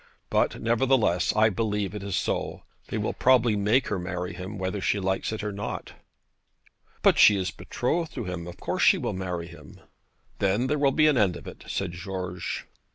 But, nevertheless, I believe it is so. They will probably make her marry him, whether she likes it or not.' 'But she is betrothed to him. Of course she will marry him.' 'Then there will be an end of it,' said George.